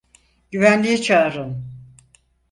Güvenliği çağırın!